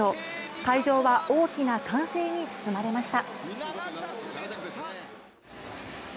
会場は大きな歓声に包まれました。